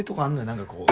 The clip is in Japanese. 何かこう。